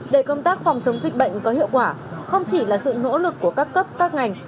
để công tác phòng chống dịch bệnh có hiệu quả không chỉ là sự nỗ lực của các cấp các ngành